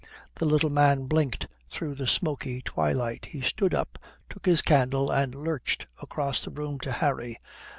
The little man blinked through the smoky twilight. He stood up, took his candle and lurched across the room to Harry.